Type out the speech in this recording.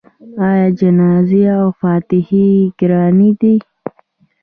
آیا جنازې او فاتحې ګرانې دي؟